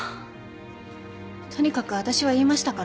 とにかく私は言いましたから。